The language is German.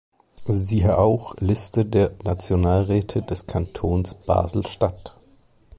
Siehe auch Liste der Nationalräte des Kantons Basel-Stadt.